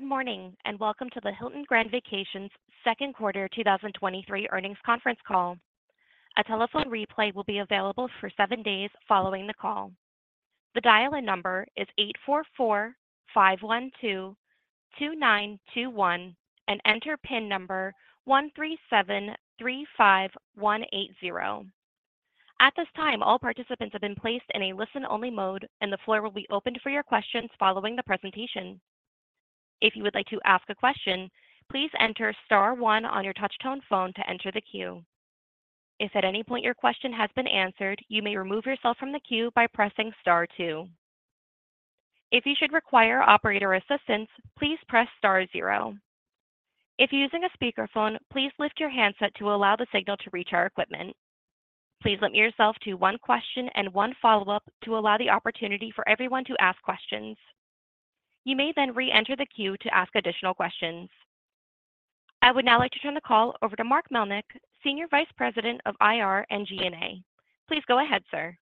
Good morning, and welcome to the Hilton Grand Vacations second quarter 2023 earnings conference call. A telephone replay will be available for seven days following the call. The dial-in number is 844-512-2921 and enter pin number 13735180. At this time, all participants have been placed in a listen-only mode, and the floor will be opened for your questions following the presentation. If you would like to ask a question, please enter star one on your touchtone phone to enter the queue. If at any point your question has been answered, you may remove yourself from the queue by pressing star two. If you should require operator assistance, please press star zero. If you're using a speakerphone, please lift your handset to allow the signal to reach our equipment. Please limit yourself to one question and one follow-up to allow the opportunity for everyone to ask questions. You may then reenter the queue to ask additional questions. I would now like to turn the call over to Mark Melnick, Senior Vice President of IR and G&A. Please go ahead, sir.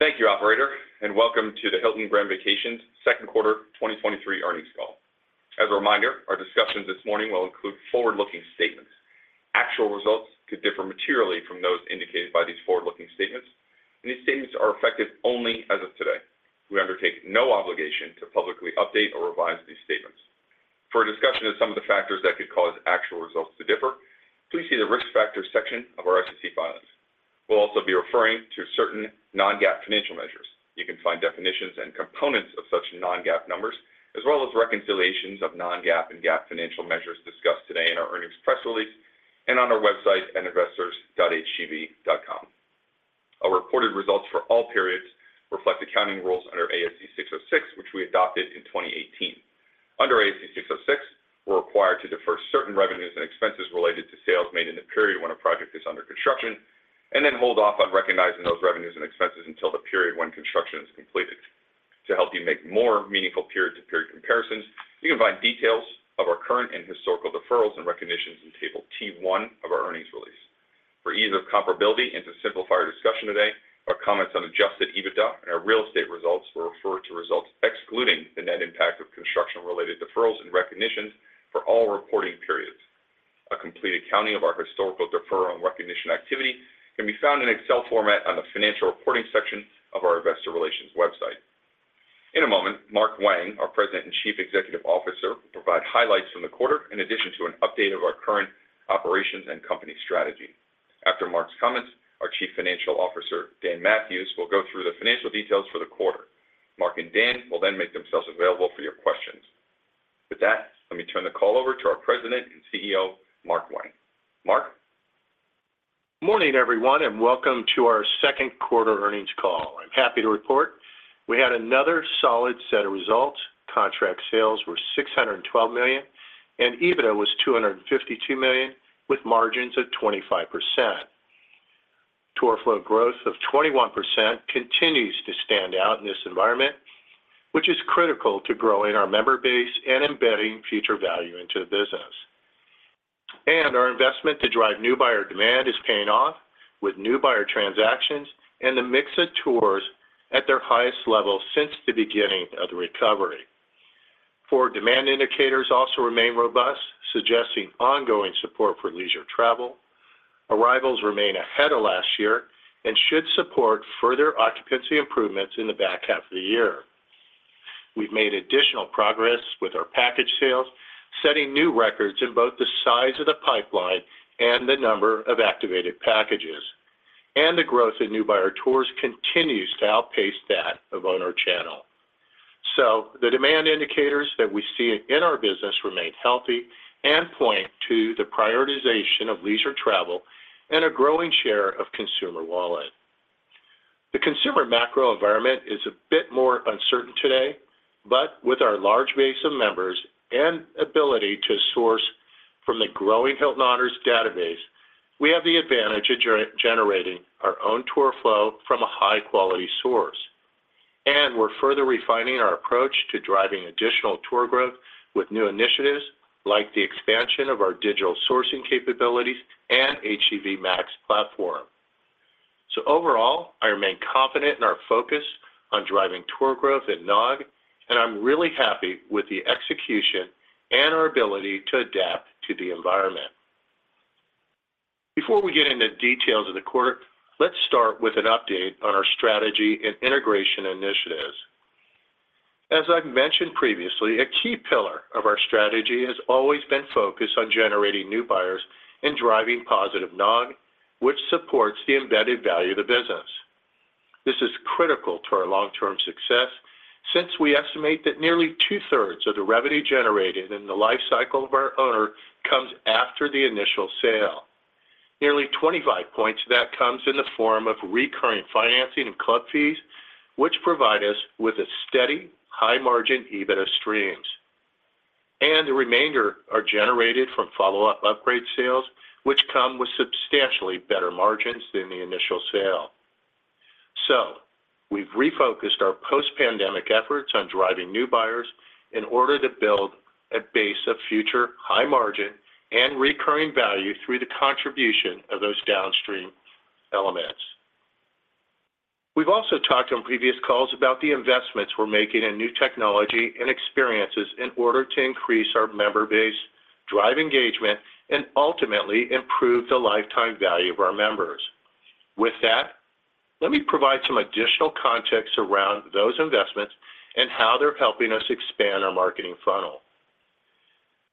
Thank you, operator, and welcome to the Hilton Grand Vacations second quarter 2023 earnings call. As a reminder, our discussion this morning will include forward-looking statements. Actual results could differ materially from those indicated by these forward-looking statements, and these statements are effective only as of today. We undertake no obligation to publicly update or revise these statements. For a discussion of some of the factors that could cause actual results to differ, please see the Risk Factors section of our SEC filings. We'll also be referring to certain non-GAAP financial measures. You can find definitions and components of such non-GAAP numbers, as well as reconciliations of non-GAAP and GAAP financial measures discussed today in our earnings press release and on our website at investors.hgv.com. Our reported results for all periods reflect accounting rules under ASC 606, which we adopted in 2018. Under ASC 606, we're required to defer certain revenues and expenses related to sales made in the period when a project is under construction, and then hold off on recognizing those revenues and expenses until the period when construction is completed. To help you make more meaningful period-to-period comparisons, you can find details of our current and historical deferrals and recognitions in table T1 of our earnings release. For ease of comparability and to simplify our discussion today, our comments on adjusted EBITDA and our real estate results will refer to results excluding the net impact of construction-related deferrals and recognitions for all reporting periods. A complete accounting of our historical deferral and recognition activity can be found in Excel format on the financial reporting section of our Investor Relations website. In a moment, Mark Wang, our President and Chief Executive Officer, will provide highlights from the quarter in addition to an update of our current operations and company strategy. After Mark's comments, our Chief Financial Officer, Dan Mathewes, will go through the financial details for the quarter. Mark and Dan will make themselves available for your questions. With that, let me turn the call over to our President and CEO, Mark Wang. Mark? Morning, everyone, welcome to our second quarter earnings call. I'm happy to report we had another solid set of results. Contract sales were $612 million, and EBITDA was $252 million, with margins of 25%. Tour flow growth of 21% continues to stand out in this environment, which is critical to growing our member base and embedding future value into the business. Our investment to drive new buyer demand is paying off, with new buyer transactions and the mix of tours at their highest level since the beginning of the recovery. Four, demand indicators also remain robust, suggesting ongoing support for leisure travel. Arrivals remain ahead of last year and should support further occupancy improvements in the back half of the year. We've made additional progress with our package sales, setting new records in both the size of the pipeline and the number of activated packages. The growth in new buyer tours continues to outpace that of owner channel. The demand indicators that we see in our business remain healthy and point to the prioritization of leisure travel and a growing share of consumer wallet. The consumer macro environment is a bit more uncertain today, but with our large base of members and ability to source from the growing Hilton Honors database, we have the advantage of generating our own tour flow from a high-quality source. We're further refining our approach to driving additional tour growth with new initiatives like the expansion of our digital sourcing capabilities and HGV Max platform. Overall, I remain confident in our focus on driving tour growth at NOG, and I'm really happy with the execution and our ability to adapt to the environment. Before we get into details of the quarter, let's start with an update on our strategy and integration initiatives. As I've mentioned previously, a key pillar of our strategy has always been focused on generating new buyers and driving positive NOG, which supports the embedded value of the business. This is critical to our long-term success since we estimate that nearly 2/3 of the revenue generated in the life cycle of our owner comes after the initial sale. Nearly 25 points of that comes in the form of recurring financing and club fees, which provide us with a steady, high-margin EBITDA streams. The remainder are generated from follow-up upgrade sales, which come with substantially better margins than the initial sale. We've refocused our post-pandemic efforts on driving new buyers in order to build a base of future high-margin and recurring value through the contribution of those downstream elements. We've also talked on previous calls about the investments we're making in new technology and experiences in order to increase our member base, drive engagement, and ultimately improve the lifetime value of our members. With that, let me provide some additional context around those investments and how they're helping us expand our marketing funnel.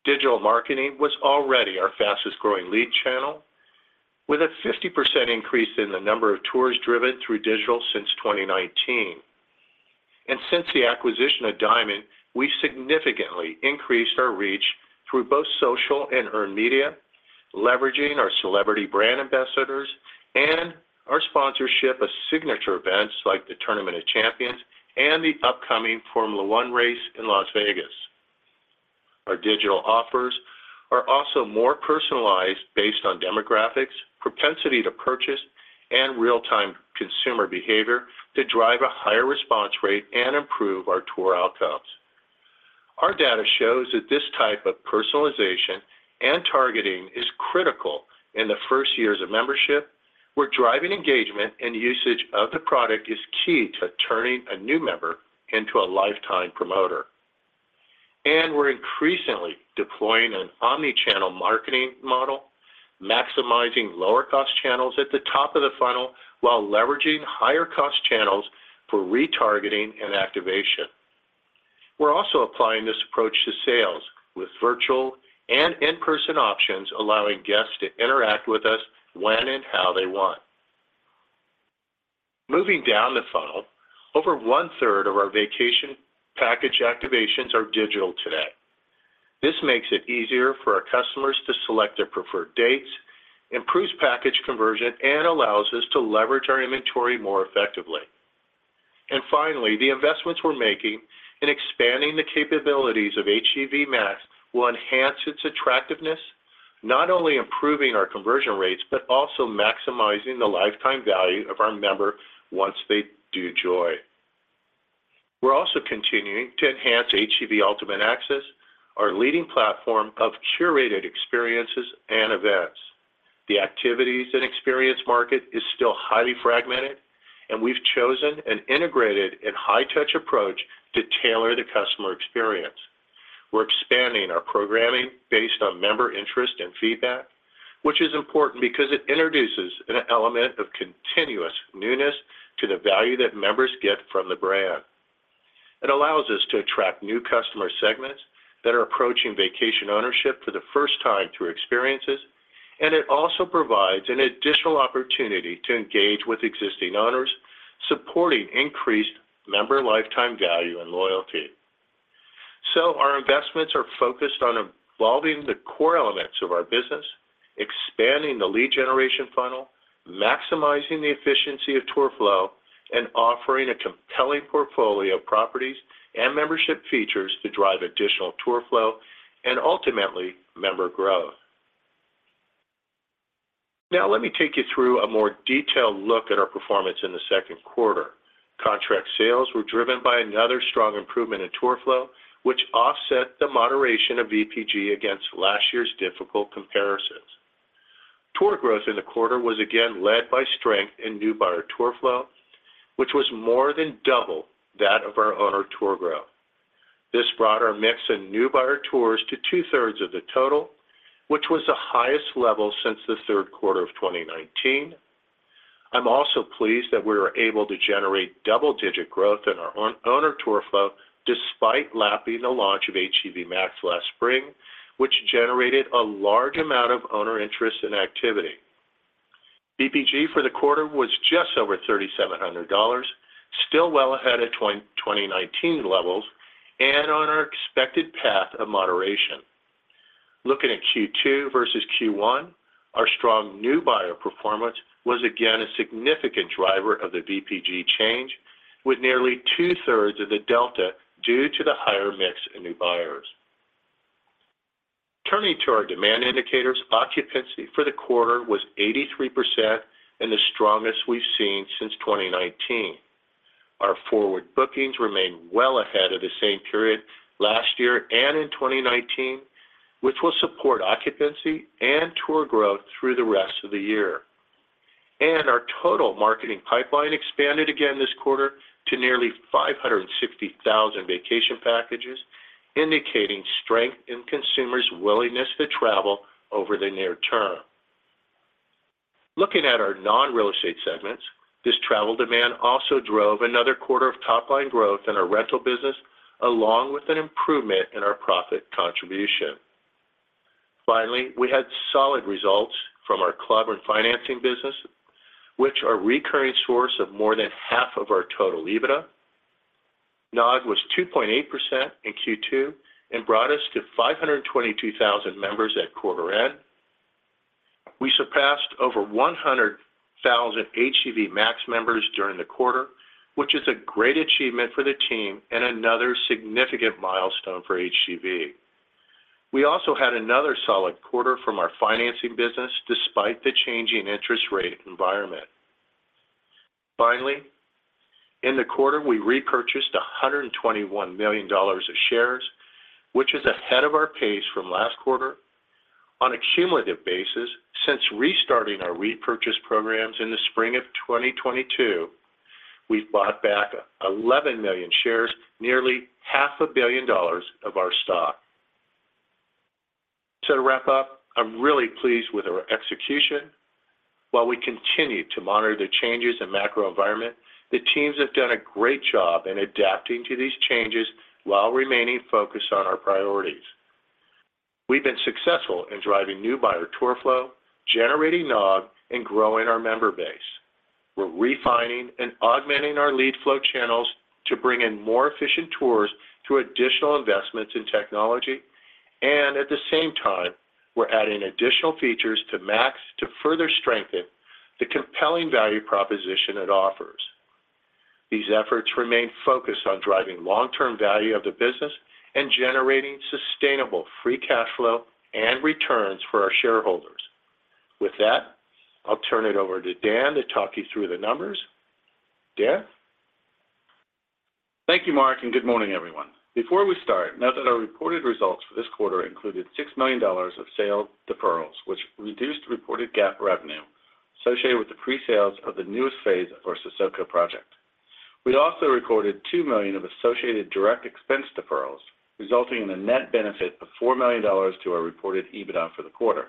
Digital marketing was already our fastest-growing lead channel, with a 50% increase in the number of tours driven through digital since 2019. Since the acquisition of Diamond, we've significantly increased our reach through both social and earned media, leveraging our celebrity brand ambassadors and our sponsorship of signature events like the Tournament of Champions and the upcoming Formula 1 race in Las Vegas. Our digital offers are also more personalized based on demographics, propensity to purchase, and real-time consumer behavior to drive a higher response rate and improve our tour outcomes. Our data shows that this type of personalization and targeting is critical in the first years of membership, where driving engagement and usage of the product is key to turning a new member into a lifetime promoter. We're increasingly deploying an omni-channel marketing model, maximizing lower-cost channels at the top of the funnel, while leveraging higher-cost channels for retargeting and activation. We're also applying this approach to sales with virtual and in-person options, allowing guests to interact with us when and how they want. Moving down the funnel, over one-third of our vacation package activations are digital today. This makes it easier for our customers to select their preferred dates, improves package conversion, and allows us to leverage our inventory more effectively. Finally, the investments we're making in expanding the capabilities of HGV Max will enhance its attractiveness, not only improving our conversion rates, but also maximizing the lifetime value of our member once they do join. We're also continuing to enhance HGV Ultimate Access, our leading platform of curated experiences and events. The activities and experience market is still highly fragmented. We've chosen an integrated and high-touch approach to tailor the customer experience. We're expanding our programming based on member interest and feedback, which is important because it introduces an element of continuous newness to the value that members get from the brand. It allows us to attract new customer segments that are approaching vacation ownership for the first time through experiences. It also provides an additional opportunity to engage with existing owners, supporting increased member lifetime value and loyalty. Our investments are focused on evolving the core elements of our business, expanding the lead generation funnel, maximizing the efficiency of tour flow, and offering a compelling portfolio of properties and membership features to drive additional tour flow and ultimately member growth. Let me take you through a more detailed look at our performance in the second quarter. Contract sales were driven by another strong improvement in tour flow, which offset the moderation of VPG against last year's difficult comparisons. Tour growth in the quarter was again led by strength in new buyer tour flow, which was more than double that of our owner tour growth. This brought our mix in new buyer tours to two-thirds of the total, which was the highest level since the third quarter of 2019. I'm also pleased that we were able to generate double-digit growth in our owner tour flow, despite lapping the launch of HGV Max last spring, which generated a large amount of owner interest and activity. VPG for the quarter was just over $3,700, still well ahead of 2019 levels and on our expected path of moderation. Looking at Q2 versus Q1, our strong new buyer performance was again a significant driver of the VPG change, with nearly two-thirds of the delta due to the higher mix in new buyers. Turning to our demand indicators, occupancy for the quarter was 83% and the strongest we've seen since 2019. Our forward bookings remain well ahead of the same period last year and in 2019, which will support occupancy and tour growth through the rest of the year. Our total marketing pipeline expanded again this quarter to nearly 560,000 vacation packages, indicating strength in consumers' willingness to travel over the near term. Looking at our non-real estate segments, this travel demand also drove another quarter of top-line growth in our rental business, along with an improvement in our profit contribution. Finally, we had solid results from our club and financing business, which are a recurring source of more than half of our total EBITDA. NOG was 2.8% in Q2 and brought us to 522,000 members at quarter end. We surpassed over 100,000 HGV Max members during the quarter, which is a great achievement for the team and another significant milestone for HGV. We also had another solid quarter from our financing business despite the changing interest rate environment. Finally, in the quarter, we repurchased $121 million of shares, which is ahead of our pace from last quarter. On a cumulative basis, since restarting our repurchase programs in the spring of 2022, we've bought back 11 million shares, nearly $500 million of our stock. To wrap up, I'm really pleased with our execution. While we continue to monitor the changes in macro environment, the teams have done a great job in adapting to these changes while remaining focused on our priorities. We've been successful in driving new buyer tour flow, generating NOG, and growing our member base. We're refining and augmenting our lead flow channels to bring in more efficient tours through additional investments in technology, and at the same time, we're adding additional features to Max to further strengthen the compelling value proposition it offers. These efforts remain focused on driving long-term value of the business and generating sustainable free cash flow and returns for our shareholders. With that, I'll turn it over to Dan to talk you through the numbers. Dan? Thank you, Mark. Good morning, everyone. Before we start, note that our reported results for this quarter included $6 million of sale deferrals, which reduced reported GAAP revenue associated with the pre-sales of the newest phase of our Sesoko project. We also recorded $2 million of associated direct expense deferrals, resulting in a net benefit of $4 million to our reported EBITDA for the quarter.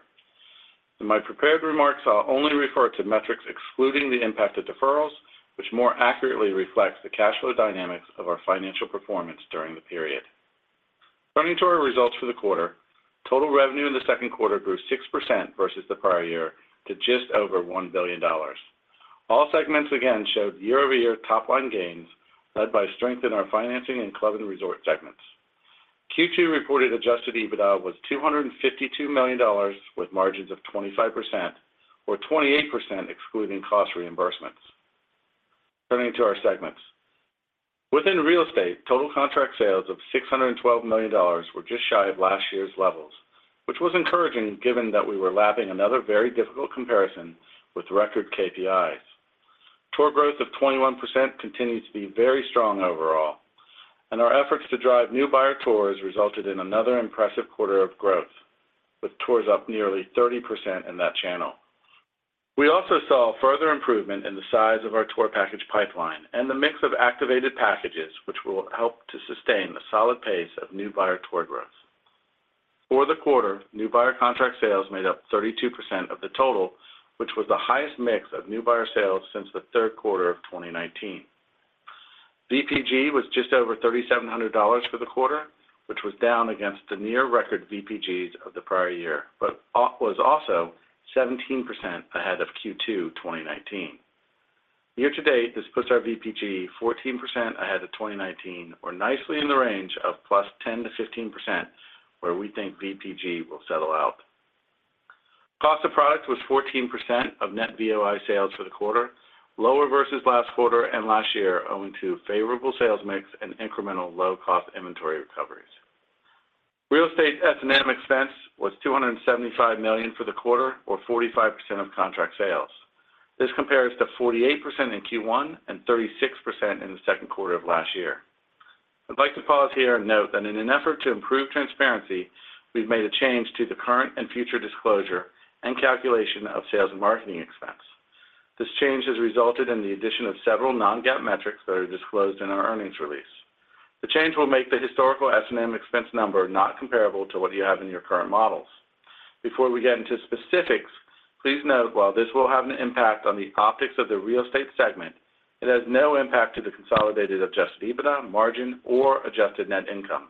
In my prepared remarks, I'll only refer to metrics excluding the impact of deferrals, which more accurately reflects the cash flow dynamics of our financial performance during the period. Turning to our results for the quarter, total revenue in the second quarter grew 6% versus the prior year to just over $1 billion. All segments again showed year-over-year top-line gains, led by strength in our financing and club and resort segments. Q2 reported adjusted EBITDA was $252 million, with margins of 25%, or 28% excluding cost reimbursements. Turning to our segments. Within real estate, total contract sales of $612 million were just shy of last year's levels, which was encouraging, given that we were lapping another very difficult comparison with record KPIs. Tour growth of 21% continues to be very strong overall, our efforts to drive new buyer tours resulted in another impressive quarter of growth, with tours up nearly 30% in that channel. We also saw a further improvement in the size of our tour package pipeline and the mix of activated packages, which will help to sustain a solid pace of new buyer tour growth. For the quarter, new buyer contract sales made up 32% of the total, which was the highest mix of new buyer sales since the third quarter of 2019. VPG was just over $3,700 for the quarter, which was down against the near record VPGs of the prior year, but was also 17% ahead of Q2 2019. Year to date, this puts our VPG 14% ahead of 2019 or nicely in the range of +10% to 15%, where we think VPG will settle out. Cost of product was 14% of net VOI sales for the quarter, lower versus last quarter and last year, owing to favorable sales mix and incremental low-cost inventory recoveries. Real estate S&M expense was $275 million for the quarter, or 45% of contract sales. This compares to 48% in Q1 and 36% in the second quarter of last year. I'd like to pause here and note that in an effort to improve transparency, we've made a change to the current and future disclosure and calculation of sales and marketing expense. This change has resulted in the addition of several non-GAAP metrics that are disclosed in our earnings release. The change will make the historical S&M expense number not comparable to what you have in your current models. Before we get into specifics, please note, while this will have an impact on the optics of the real estate segment, it has no impact to the consolidated adjusted EBITDA, margin, or adjusted net income.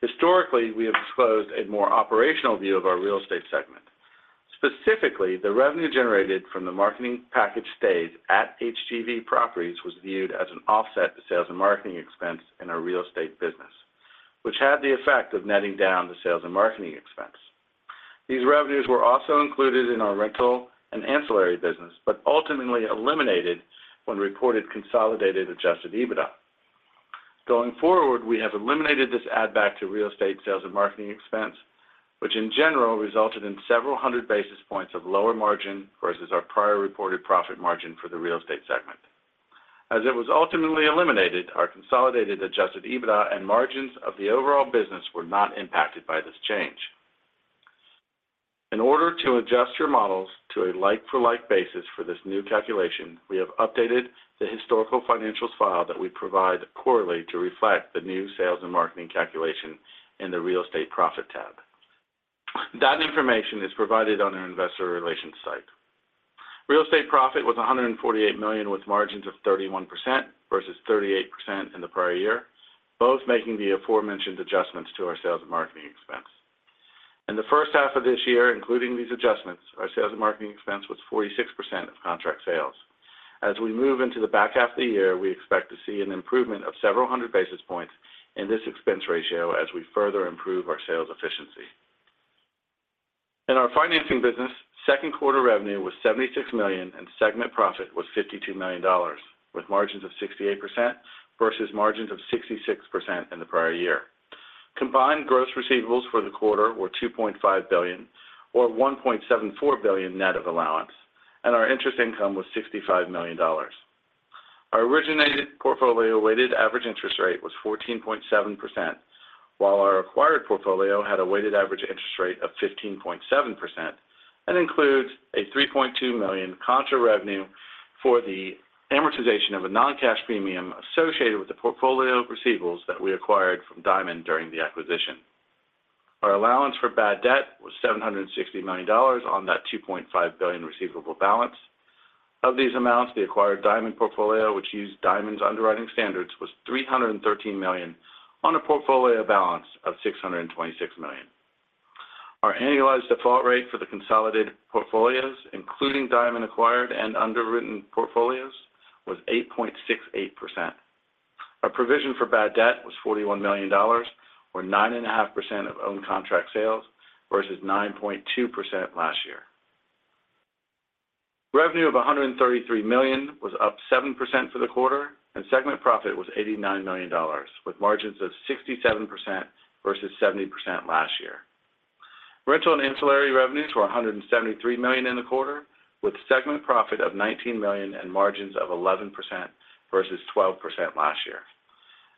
Historically, we have disclosed a more operational view of our real estate segment. Specifically, the revenue generated from the marketing package stays at HGV Properties was viewed as an offset to sales and marketing expense in our real estate business, which had the effect of netting down the sales and marketing expense. These revenues were also included in our rental and ancillary business, but ultimately eliminated when reported consolidated adjusted EBITDA. Going forward, we have eliminated this add back to real estate sales and marketing expense, which in general resulted in several hundred basis points of lower margin versus our prior reported profit margin for the real estate segment. As it was ultimately eliminated, our consolidated adjusted EBITDA and margins of the overall business were not impacted by this change. In order to adjust your models to a like-for-like basis for this new calculation, we have updated the historical financials file that we provide quarterly to reflect the new sales and marketing calculation in the real estate profit tab. That information is provided on our investor relations site. Real estate profit was $148 million, with margins of 31% versus 38% in the prior year, both making the aforementioned adjustments to our sales and marketing expense. In the first half of this year, including these adjustments, our sales and marketing expense was 46% of contract sales. As we move into the back half of the year, we expect to see an improvement of several hundred basis points in this expense ratio as we further improve our sales efficiency. In our financing business, second quarter revenue was $76 million, and segment profit was $52 million, with margins of 68% versus margins of 66% in the prior year. Combined gross receivables for the quarter were $2.5 billion, or $1.74 billion net of allowance, and our interest income was $65 million. Our originated portfolio weighted average interest rate was 14.7%, while our acquired portfolio had a weighted average interest rate of 15.7% and includes a $3.2 million contra revenue for the amortization of a non-cash premium associated with the portfolio receivables that we acquired from Diamond during the acquisition. Our allowance for bad debt was $760 million on that $2.5 billion receivable balance. Of these amounts, the acquired Diamond portfolio, which used Diamond's underwriting standards, was $313 million on a portfolio balance of $626 million. Our annualized default rate for the consolidated portfolios, including Diamond acquired and underwritten portfolios, was 8.68%. Our provision for bad debt was $41 million, or 9.5% of own contract sales, versus 9.2% last year. Revenue of $133 million was up 7% for the quarter, and segment profit was $89 million, with margins of 67% versus 70% last year. Rental and ancillary revenues were $173 million in the quarter, with segment profit of $19 million and margins of 11% versus 12% last year.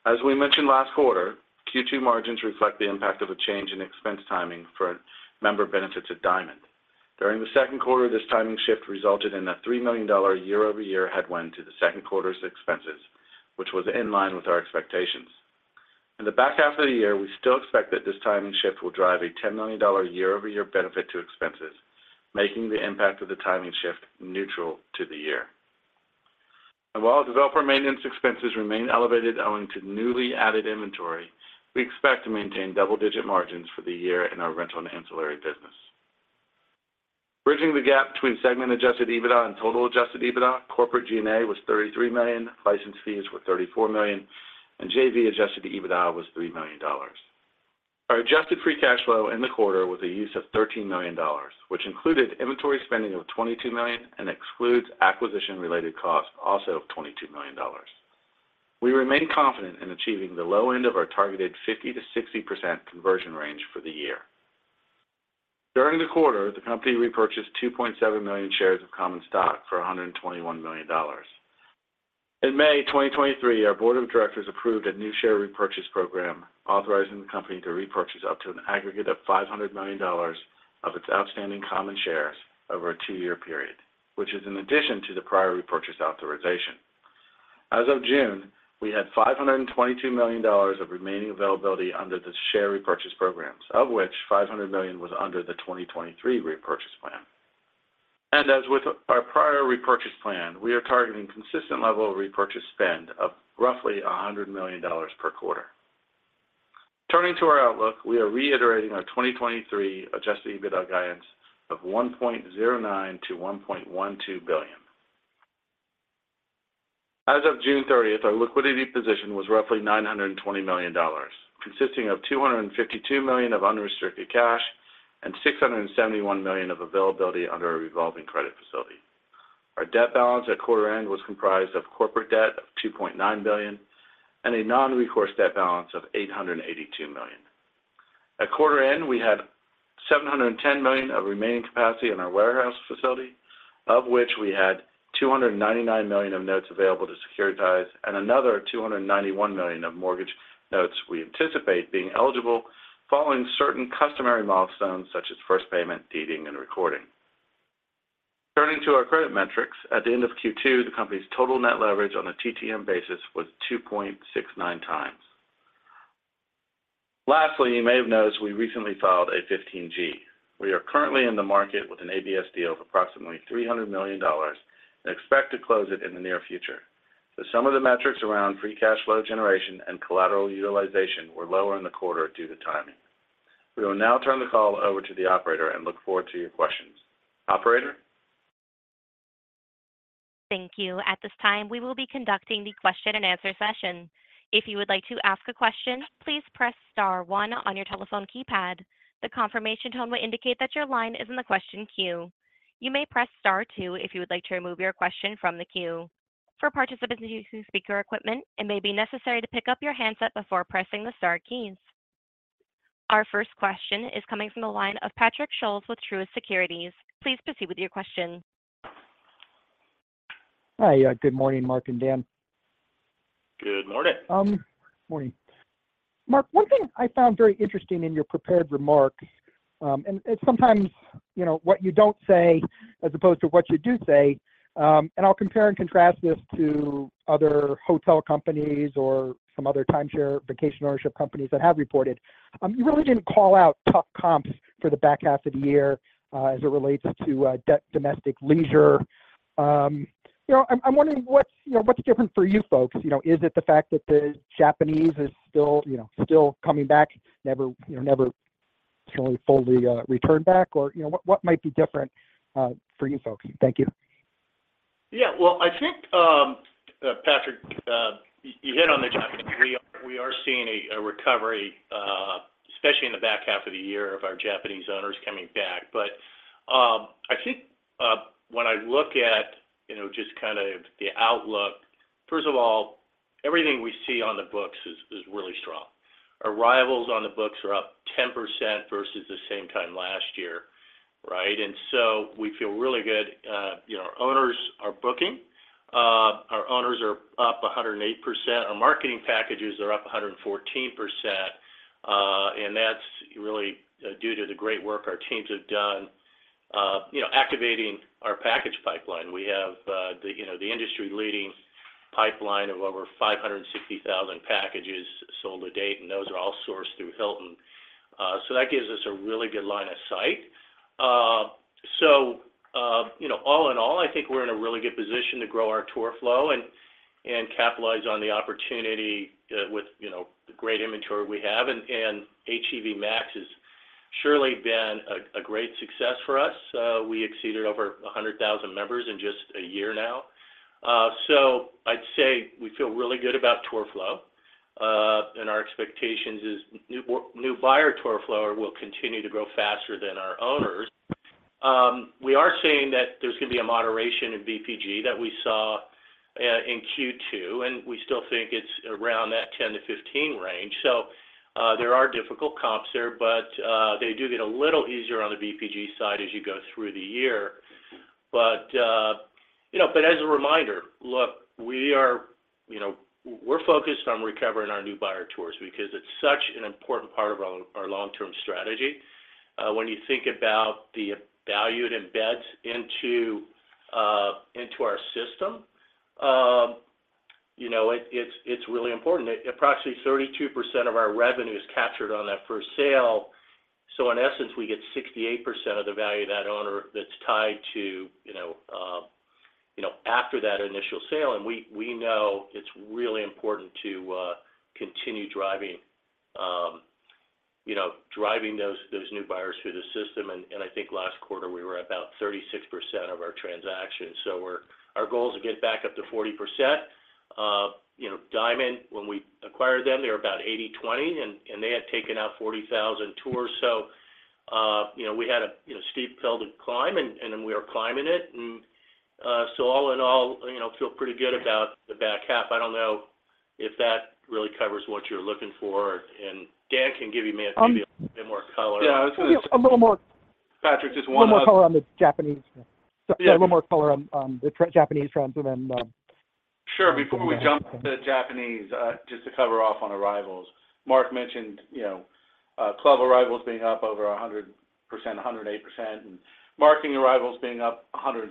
As we mentioned last quarter, Q2 margins reflect the impact of a change in expense timing for member benefits at Diamond. During the second quarter, this timing shift resulted in a $3 million year-over-year headwind to the second quarter's expenses, which was in line with our expectations. In the back half of the year, we still expect that this timing shift will drive a $10 million year-over-year benefit to expenses, making the impact of the timing shift neutral to the year. While developer maintenance expenses remain elevated owing to newly added inventory, we expect to maintain double-digit margins for the year in our rental and ancillary business. Bridging the gap between segment adjusted EBITDA and total adjusted EBITDA, corporate G&A was $33 million, license fees were $34 million, and JV adjusted EBITDA was $3 million. Our adjusted free cash flow in the quarter was a use of $13 million, which included inventory spending of $22 million and excludes acquisition-related costs, also of $22 million. We remain confident in achieving the low end of our targeted 50%-60% conversion range for the year. During the quarter, the company repurchased 2.7 million shares of common stock for $121 million. In May 2023, our board of directors approved a new share repurchase program, authorizing the company to repurchase up to an aggregate of $500 million of its outstanding common shares over a two year period, which is in addition to the prior repurchase authorization. As of June, we had $522 million of remaining availability under the share repurchase programs, of which $500 million was under the 2023 repurchase plan. As with our prior repurchase plan, we are targeting consistent level of repurchase spend of roughly $100 million per quarter. Turning to our outlook, we are reiterating our 2023 adjusted EBITDA guidance of $1.09 billion-$1.12 billion. As of June 30th, our liquidity position was roughly $920 million, consisting of $252 million of unrestricted cash and $671 million of availability under a revolving credit facility. Our debt balance at quarter end was comprised of corporate debt of $2.9 billion and a non-recourse debt balance of $882 million. At quarter end, we had $710 million of remaining capacity in our warehouse facility, of which we had $299 million of notes available to securitize and another $291 million of mortgage notes we anticipate being eligible following certain customary milestones, such as first payment, deeding, and recording. Turning to our credit metrics, at the end of Q2, the company's total net leverage on a TTM basis was 2.69 times. Lastly, you may have noticed we recently filed a 15G. We are currently in the market with an ABS deal of approximately $300 million and expect to close it in the near future. The sum of the metrics around free cash flow generation and collateral utilization were lower in the quarter due to timing. We will now turn the call over to the operator and look forward to your questions. Operator? Thank you. At this time, we will be conducting the question and answer session. If you would like to ask a question, please press star one on your telephone keypad. The confirmation tone will indicate that your line is in the question queue. You may press star two if you would like to remove your question from the queue. For participants using speaker equipment, it may be necessary to pick up your handset before pressing the star keys. Our first question is coming from the line of Patrick Scholes with Truist Securities. Please proceed with your question. Hi, good morning, Mark and Dan. Good morning. Morning. Mark, one thing I found very interesting in your prepared remarks, and sometimes, you know, what you don't say as opposed to what you do say, and I'll compare and contrast this to other hotel companies or some other timeshare vacation ownership companies that have reported. You really didn't call out tough comps for the back half of the year as it relates to domestic leisure. You know, I'm wondering what's, you know, what's different for you folks? You know, is it the fact that the Japanese is still, you know, still coming back? Never, you know, never fully returned back or, you know, what, what might be different for you folks? Thank you. Yeah, well, I think, Patrick, you, you hit on the Japanese. We, we are seeing a recovery, especially in the back half of the year of our Japanese owners coming back. I think, when I look at, you know, just kind of the outlook, first of all, everything we see on the books is really strong. Arrivals on the books are up 10% versus the same time last year, right? We feel really good, you know, our owners are booking. Our owners are up 108%. Our marketing packages are up 114%, and that's really due to the great work our teams have done, you know, activating our package pipeline. We have, you know, the industry-leading pipeline of over 560,000 packages sold to date, and those are all sourced through Hilton. That gives us a really good line of sight. You know, all in all, I think we're in a really good position to grow our tour flow and, and capitalize on the opportunity, with, you know, the great inventory we have. And HGV Max has surely been a great success for us. We exceeded over 100,000 members in just a year now. I'd say we feel really good about tour flow, and our expectations is new, new buyer tour flow will continue to grow faster than our owners. We are seeing that there's going to be a moderation in VPG that we saw in Q2, and we still think it's around that 10-15 range. There are difficult comps there, they do get a little easier on the VPG side as you go through the year. You know, as a reminder, look, you know, we're focused on recovering our new buyer tours because it's such an important part of our, our long-term strategy. When you think about the value it embeds into, into our system, you know, it, it's, it's really important. Approximately 32% of our revenue is captured on that first sale. In essence, we get 68% of the value of that owner that's tied to, you know, you know, after that initial sale, and we, we know it's really important to continue driving, you know, driving those, those new buyers through the system. I think last quarter, we were at about 36% of our transactions. Our goal is to get back up to 40%. You know, Diamond, when we acquired them, they were about 80/20, and they had taken out 40,000 tours. You know, we had a, you know, steep hill to climb, and we are climbing it. All in all, you know, feel pretty good about the back half. I don't know if that really covers what you're looking for, and Dan can give you maybe a bit more color. Yeah, I was gonna. A little more. Patrick, just one more. A little more color on the Japanese. Yeah. A little more color on, on the Japanese trends, and then. Sure. Before we jump to the Japanese, just to cover off on arrivals. Mark mentioned, you know, club arrivals being up over 100%, 108%, and marketing arrivals being up 114%.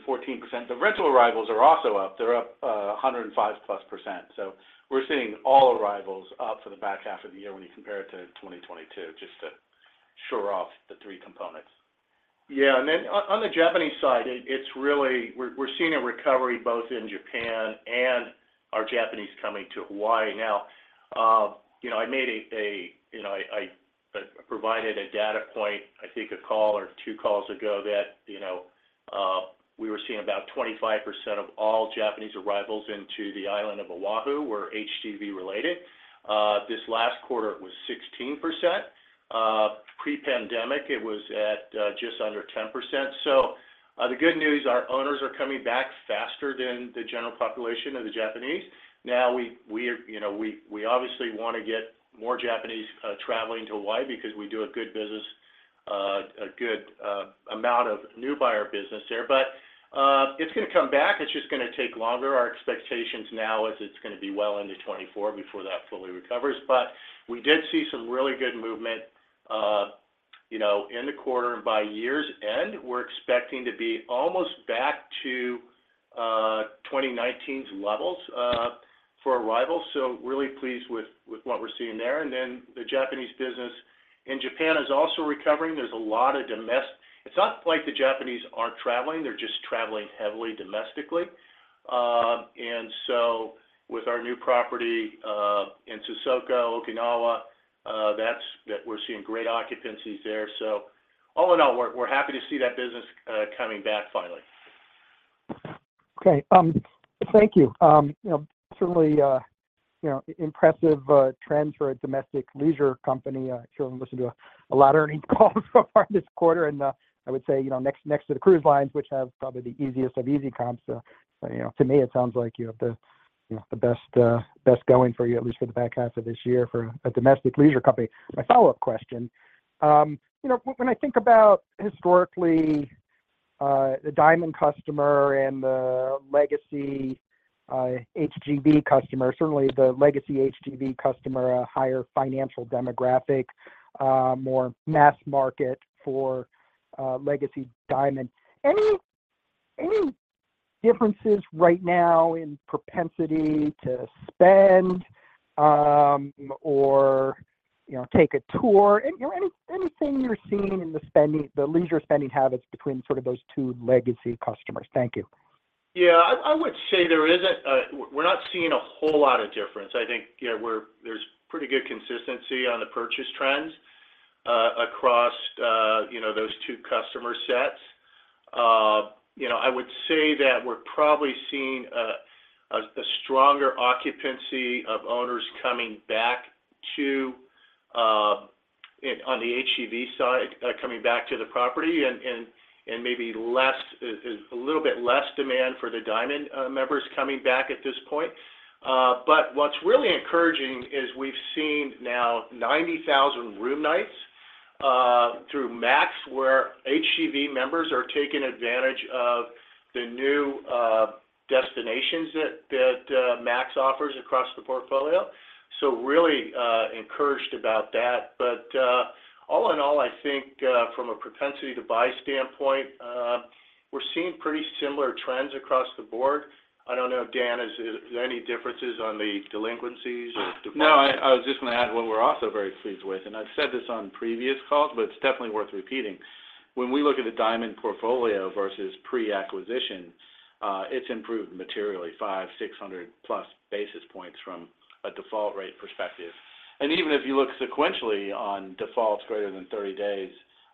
The rental arrivals are also up. They're up 105%+. We're seeing all arrivals up for the back half of the year when you compare it to 2022, just to shore off the three components. Yeah. Then on, on the Japanese side, it, it's really-- we're, we're seeing a recovery both in Japan and our Japanese coming to Hawaii now. You know, I made a, a-- you know, I, I provided a data point, I think a call or two calls ago, that, you know, we were seeing about 25% of all Japanese arrivals into the island of Oahu were HGV related. This last quarter, it was 16%. Pre-pandemic, it was at just under 10%. The good news, our owners are coming back faster than the general population of the Japanese. Now, we, we are-- you know, we, we obviously want to get more Japanese traveling to Hawaii because we do a good business, a good amount of new buyer business there. It's gonna come back. It's just gonna take longer. Our expectations now is it's gonna be well into 2024 before that fully recovers. We did see some really good movement, you know, in the quarter. By year's end, we're expecting to be almost back to 2019's levels for arrivals. Really pleased with, with what we're seeing there. The Japanese business in Japan is also recovering. There's a lot of It's not like the Japanese aren't traveling, they're just traveling heavily domestically. With our new property in Sesoko, Okinawa, we're seeing great occupancies there. All in all, we're, we're happy to see that business coming back finally. Okay. Thank you. you know, certainly, you know, impressive, trends for a domestic leisure company. I certainly listened to a lot of earnings calls so far this quarter, and I would say, you know, next, next to the cruise lines, which have probably the easiest of easy comps, you know, to me, it sounds like you have the, you know, the best, best going for you, at least for the back half of this year for a domestic leisure company. My follow-up question, you know, when, when I think about historically, the Diamond customer and the legacy HGV customer, certainly the legacy HGV customer, a higher financial demographic, more mass market for legacy Diamond. Any, any differences right now in propensity to spend, or, you know, take a tour? Anything you're seeing in the leisure spending habits between sort of those two legacy customers? Thank you. Yeah, I, I would say there isn't a-- we're not seeing a whole lot of difference. I think, you know, there's pretty good consistency on the purchase trends, across, you know, those two customer sets. You know, I would say that we're probably seeing a stronger occupancy of owners coming back to HGV side, coming back to the property and maybe less a little bit less demand for the Diamond members coming back at this point. But what's really encouraging is we've seen now 90,000 room nights through Max, where HGV members are taking advantage of the new destinations that Max offers across the portfolio. Really encouraged about that. All in all, I think, from a propensity to buy standpoint, we're seeing pretty similar trends across the board. I don't know, Dan, is any differences on the delinquencies or defaults? No, I was just gonna add what we're also very pleased with, and I've said this on previous calls, but it's definitely worth repeating. When we look at the Diamond portfolio versus pre-acquisition, it's improved materially, 500-600+ basis points from a default rate perspective. Even if you look sequentially on defaults greater than 30 days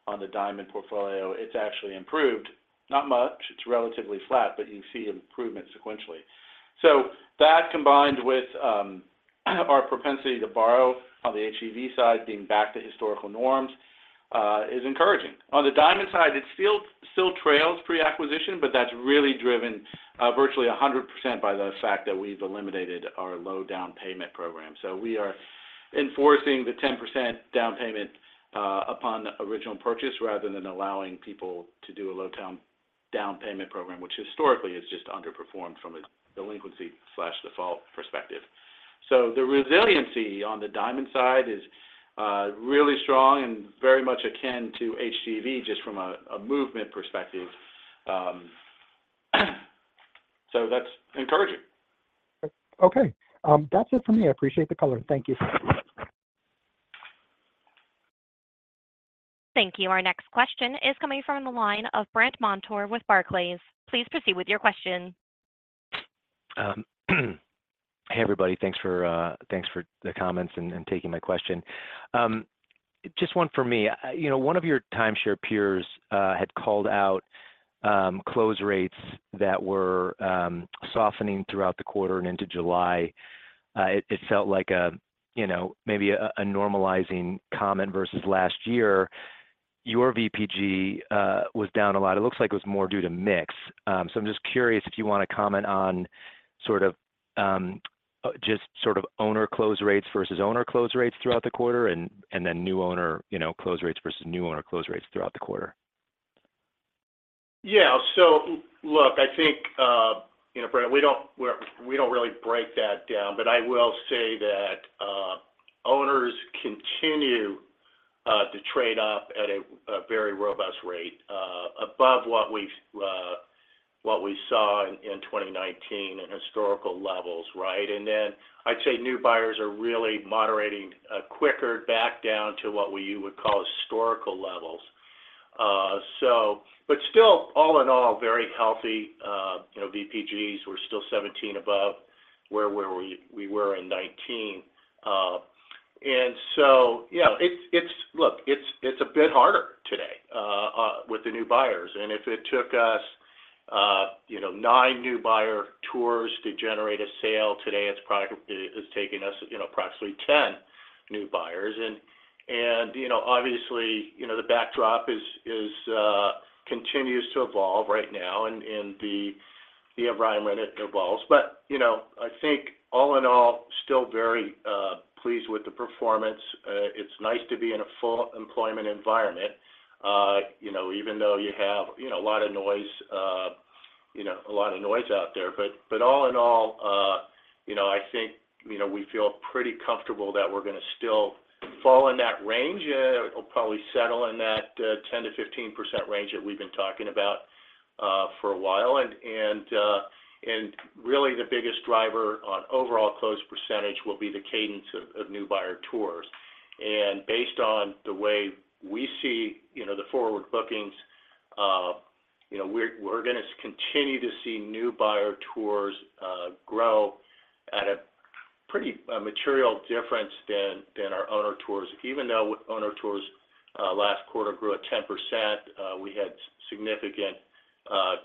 on the Diamond portfolio, it's actually improved. Not much, it's relatively flat, but you see improvement sequentially. That, combined with, our propensity to borrow on the HGV side, being back to historical norms, is encouraging. On the Diamond side, it still, still trails pre-acquisition, but that's really driven, virtually 100% by the fact that we've eliminated our low down payment program. we are enforcing the 10% down payment, upon original purchase, rather than allowing people to do a low down, down payment program, which historically has just underperformed from a delinquency slash default perspective. The resiliency on the Diamond side is really strong and very much akin to HGV, just from a, a movement perspective. That's encouraging. Okay. That's it for me. I appreciate the color. Thank you. Thank you. Our next question is coming from the line of Brandt Montour with Barclays. Please proceed with your question. Hey, everybody. Thanks for thanks for the comments and taking my question. Just one for me. You know, one of your timeshare peers had called out close rates that were softening throughout the quarter and into July. It felt like a, you know, maybe a normalizing comment versus last year. Your VPG was down a lot. It looks like it was more due to mix. I'm just curious if you wanna comment on sort of just sort of owner close rates versus owner close rates throughout the quarter, and then new owner, you know, close rates versus new owner close rates throughout the quarter. Yeah. I think, you know, Brandt, we don't, we're, we don't really break that down, but I will say that owners continue to trade up at a very robust rate above what we've what we saw in 2019 in historical levels, right? I'd say new buyers are really moderating quicker back down to what we would call historical levels. All in all, very healthy, you know, VPGs. We're still 17 above where we were, we were in 19. You know, it's, it's, look, it's, it's a bit harder today with the new buyers, and if it took us, you know, 9 new buyer tours to generate a sale, today it's probably, it's taking us, you know, approximately 10 new buyers. You know, obviously, you know, the backdrop is, is, continues to evolve right now, and, and the, the environment it evolves. You know, I think all in all, still very pleased with the performance. It's nice to be in a full employment environment, you know, even though you have, you know, a lot of noise, you know, a lot of noise out there. But all in all, you know, I think, you know, we feel pretty comfortable that we're gonna still fall in that range. It'll probably settle in that, 10%-15% range that we've been talking about, for a while. And really, the biggest driver on overall close % will be the cadence of, of new buyer tours. Based on the way we see, you know, the forward bookings, you know, we're gonna continue to see new buyer tours grow at a pretty, a material difference than, than our owner tours. Even though owner tours last quarter grew at 10%, we had significant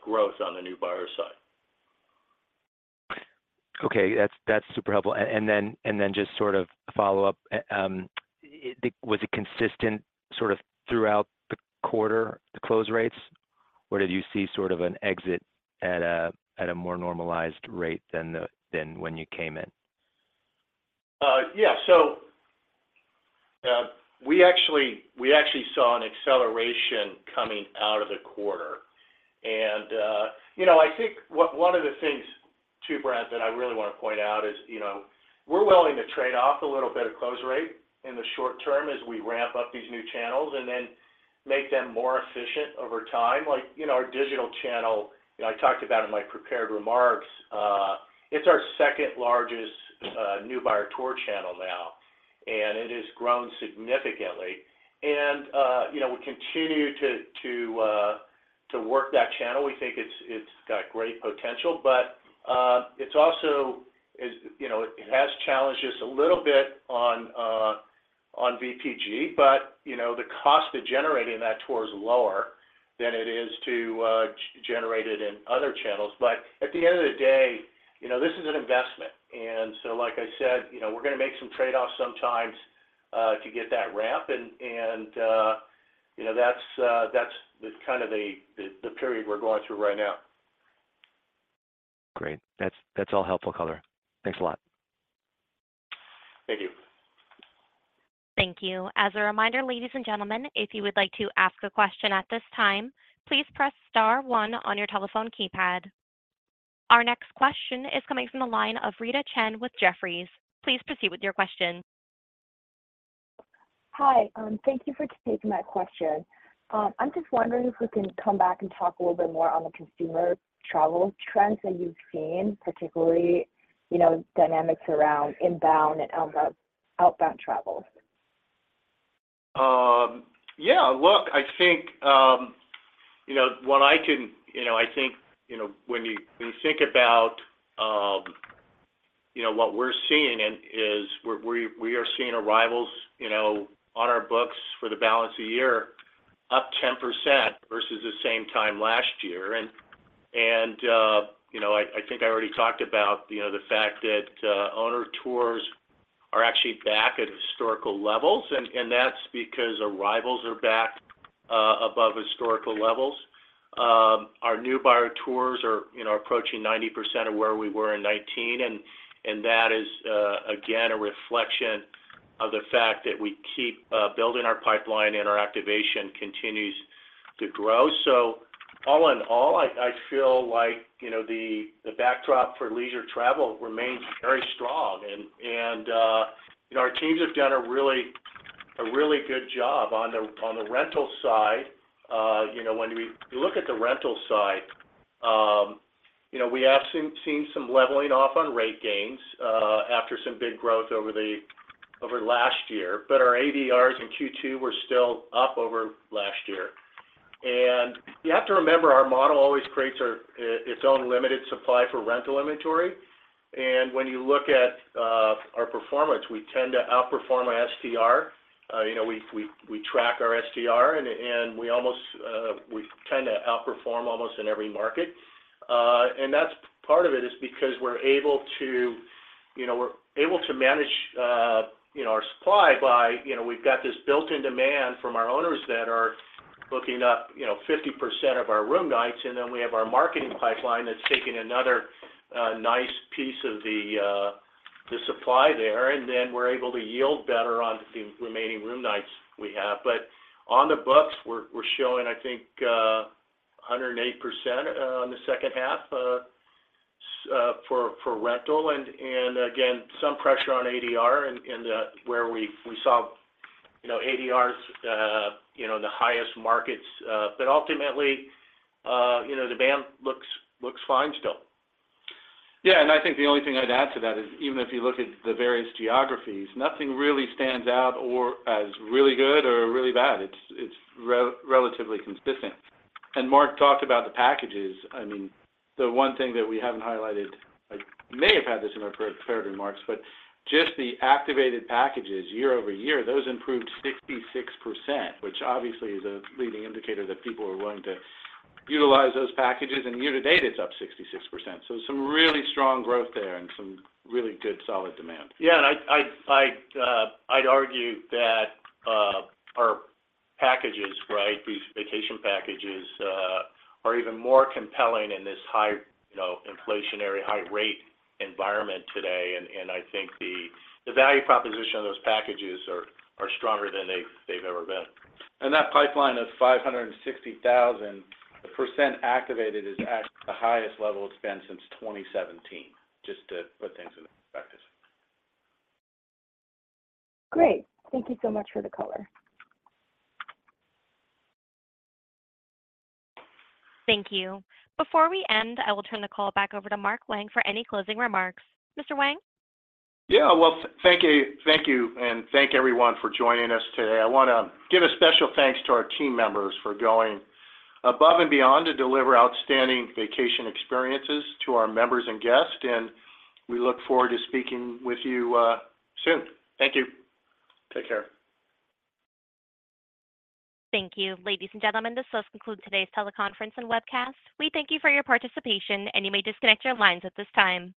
growth on the new buyer side. Okay. That's, that's super helpful. And then, and then just sort of follow up, was it consistent sort of throughout the quarter, the close rates, or did you see sort of an exit at a, at a more normalized rate than the, than when you came in? Yeah. We actually, we actually saw an acceleration coming out of the quarter. You know, I think one, one of the things too, Brandt, that I really want to point out is, you know, we're willing to trade off a little bit of close rate in the short term as we ramp up these new channels and then make them more efficient over time. Like, you know, our digital channel, you know, I talked about in my prepared remarks, it's our second largest new buyer tour channel now, and it has grown significantly. You know, we continue to, to work that channel. We think it's, it's got great potential, but it's also challenged us a little bit on, on VPG, but, you know, the cost of generating that tour is lower. than it is to generate it in other channels. At the end of the day, you know, this is an investment. So, like I said, you know, we're gonna make some trade-offs sometimes, to get that ramp, and, and, you know, that's, that's the kind of the, the, the period we're going through right now. Great. That's, that's all helpful color. Thanks a lot. Thank you. Thank you. As a reminder, ladies and gentlemen, if you would like to ask a question at this time, please press star one on your telephone keypad. Our next question is coming from the line of Rita Chen with Jefferies. Please proceed with your question. Hi, thank you for taking my question. I'm just wondering if we can come back and talk a little bit more on the consumer travel trends that you've seen, particularly, you know, dynamics around inbound and outbound travel? Yeah, look, I think, you know, You know, I think, you know, when you, when you think about, you know, what we're seeing in is we are seeing arrivals, you know, on our books for the balance of the year, up 10% versus the same time last year. You know, I, I think I already talked about, you know, the fact that owner tours are actually back at historical levels, and that's because arrivals are back above historical levels. Our new buyer tours are, you know, approaching 90% of where we were in 2019, and that is again, a reflection of the fact that we keep building our pipeline and our activation continues to grow. All in all, I, I feel like, you know, the, the backdrop for leisure travel remains very strong, and, and, you know, our teams have done a really, a really good job on the rental side. You know, when we look at the rental side, you know, we have seen, seen some leveling off on rate gains, after some big growth over the... over last year, but our ADRs in Q2 were still up over last year. You have to remember, our model always creates our its own limited supply for rental inventory, and when you look at our performance, we tend to outperform our SDR. You know, we, we, we track our SDR, and, and we almost, we tend to outperform almost in every market. And that's... Part of it is because we're able to, you know, we're able to manage, you know, our supply by, you know, we've got this built-in demand from our owners that are booking up, you know, 50% of our room nights, and then we have our marketing pipeline that's taking another nice piece of the supply there, and then we're able to yield better on the remaining room nights we have. On the books, we're, we're showing, I think, 108% on the second half for rental, and, and again, some pressure on ADR in the, where we, we saw, you know, ADRs, you know, in the highest markets, but ultimately, you know, demand looks, looks fine still. I think the only thing I'd add to that is, even if you look at the various geographies, nothing really stands out or as really good or really bad. It's relatively consistent. Mark talked about the packages. I mean, the one thing that we haven't highlighted, I may have had this in my prepared remarks, but just the activated packages year-over-year, those improved 66%, which obviously is a leading indicator that people are willing to utilize those packages, and year-to-date, it's up 66%. Some really strong growth there and some really good, solid demand. Yeah, I'd, I'd, I'd argue that, our packages, right, these vacation packages, are even more compelling in this high, you know, inflationary, high rate environment today. I think the, the value proposition of those packages are, are stronger than they've, they've ever been. That pipeline of 560,000, the % activated is at the highest level it's been since 2017, just to put things into perspective. Great. Thank you so much for the color. Thank you. Before we end, I will turn the call back over to Mark Wang for any closing remarks. Mr. Wang? Yeah, well, thank you. Thank you. Thank everyone for joining us today. I wanna give a special thanks to our team members for going above and beyond to deliver outstanding vacation experiences to our members and guests. We look forward to speaking with you soon. Thank you. Take care. Thank you. Ladies and gentlemen, this does conclude today's teleconference and webcast. You may disconnect your lines at this time.